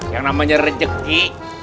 yang namanya rejeki